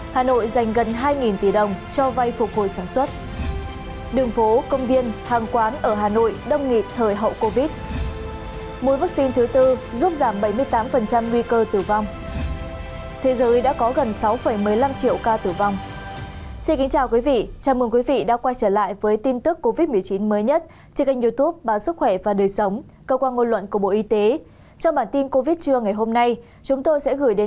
hãy đăng ký kênh để ủng hộ kênh của chúng mình nhé